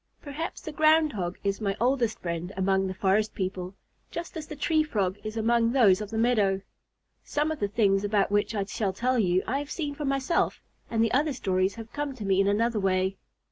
Perhaps the Ground Hog is my oldest friend among the forest people, just as the Tree Frog is among those of the meadow. Some of the things about which I shall tell you, I have seen for myself, and the other stories have come to me in another way.